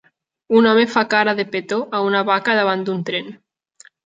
Un home fa cara de petó a una vaca davant d'un tren.